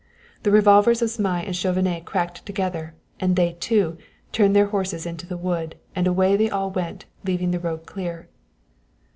The revolvers of Zmai and Chauvenet cracked together, and they, too, turned their horses into the wood, and away they all went, leaving the road clear.